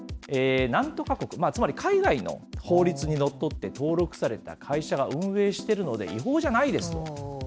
なんとか国、つまり海外の法律にのっとって登録された会社が運営してるので、違法じゃないですと。